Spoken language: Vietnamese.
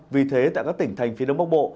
vì thế tại các tỉnh thành phía đông bắc bộ